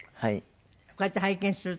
こうやって拝見するとね